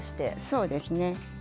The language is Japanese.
そうですね。